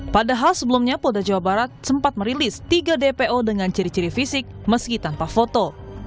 padahal sebelumnya polda jawa barat sempat merilis tiga dpo dengan ciri ciri fisik meski tanpa foto